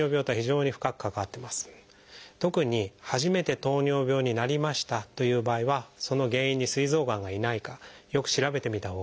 特に初めて糖尿病になりましたという場合はその原因にすい臓がんがいないかよく調べてみたほうがいいと思います。